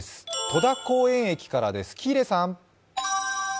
戸田公園駅からです。